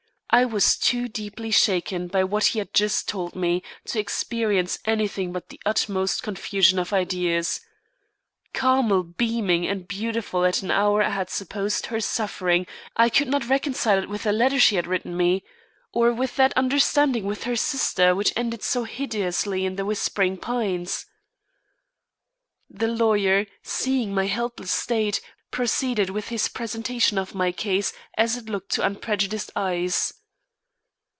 I was too deeply shaken by what he had just told me, to experience anything but the utmost confusion of ideas. Carmel beaming and beautiful at an hour I had supposed her suffering and full of struggle! I could not reconcile it with the letter she had written me, or with that understanding with her sister which ended so hideously in The Whispering Pines. The lawyer, seeing my helpless state, proceeded with his presentation of my case as it looked to unprejudiced eyes.